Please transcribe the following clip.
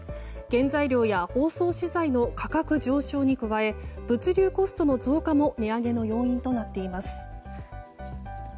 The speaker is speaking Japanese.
原材料や包装資材の価格上昇に加え物流コストの増加も値上げの要因となっています。